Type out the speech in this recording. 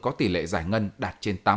có tỷ lệ giải ngân đạt trên tám mươi